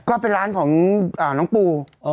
ก็เป็นร้านของน้องปู